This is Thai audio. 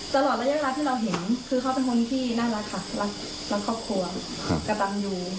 ตลอดระยะเวลาที่เราเห็นคือเขาเป็นคนที่น่ารักค่ะรักครอบครัวกำลังอยู่